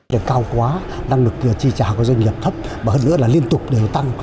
điều cao quá năng lượng trì trả của doanh nghiệp thấp và hơn nữa là liên tục đều tăng